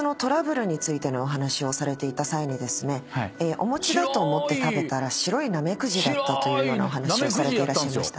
お餅だと思って食べたら白いなめくじだったというお話をされていらっしゃいましたね。